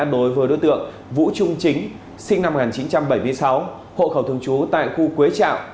đối với đối tượng vũ trung chính sinh năm một nghìn chín trăm bảy mươi sáu hộ khẩu thường trú tại khu quế trạm